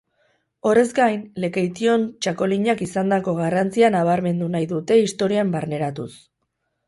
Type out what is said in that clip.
Horrez gain, Lekeition txakolinak izandako garrantzia nabarmendu nahi dute historian barneratuz.